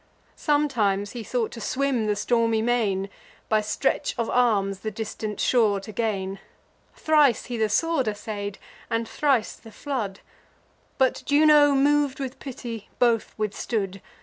Sometimes he thought to swim the stormy main, By stretch of arms the distant shore to gain. Thrice he the sword assay'd, and thrice the flood; But Juno, mov'd with pity, both withstood.